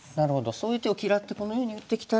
そういう手を嫌ってこのように打ってきたら。